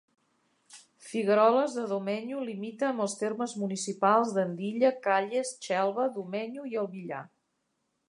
Figueroles de Domenyo limita amb els termes municipals d'Andilla, Calles, Xelva, Domenyo i el Villar.